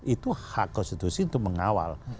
itu hak konstitusi untuk mengawal